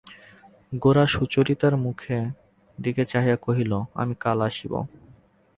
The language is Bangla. গোরা সুচরিতার মুখের দিকে চাহিয়া কহিল, আমি কাল আসব।